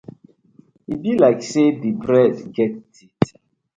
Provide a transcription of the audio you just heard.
E bi like say di bread get teeth.